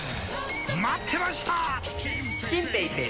待ってました！